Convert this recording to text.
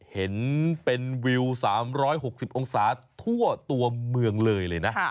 เห็นเป็นวิว๓๖๐องศาทั่วตัวเมืองเลยเลยนะ